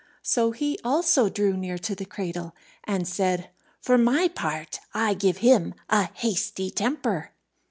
So he also drew near to the cradle, and said, "For my part, I give him a hasty temper."